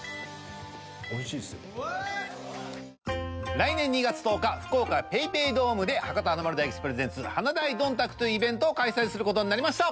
来年２月１０日福岡ＰａｙＰａｙドームで「博多華丸・大吉ｐｒｅｓｅｎｔｓ華大どんたく」というイベントを開催する事になりました。